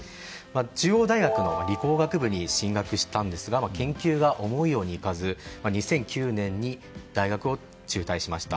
中央大学の理工学部に進学したんですが研究が思うようにいかず２００９年に大学を中退しました。